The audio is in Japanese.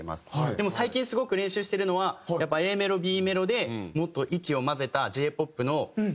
でも最近すごく練習してるのはやっぱＡメロＢメロでもっと息を混ぜたＪ−ＰＯＰのなんか。